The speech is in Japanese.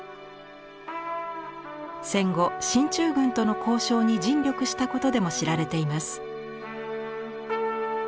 戦後進駐軍との交渉に尽力したことでも知られています。